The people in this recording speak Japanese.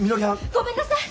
ごめんなさい！